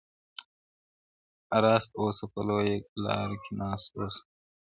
• راست اوسه په لویه لار کي ناست اوسه -